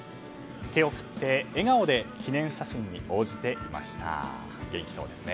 手を振って笑顔で記念写真に応じていました。